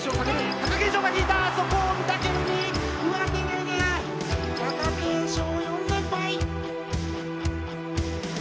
貴景勝４連敗。